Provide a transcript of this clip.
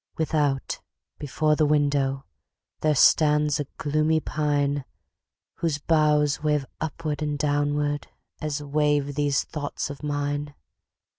Without before the window, There stands a gloomy pine, Whose boughs wave upward and downward As wave these thoughts of mine.